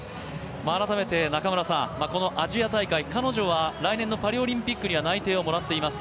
改めてこのアジア大会、彼女は来年のパリオリンピックは内定をもらっています。